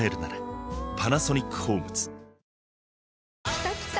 きたきた！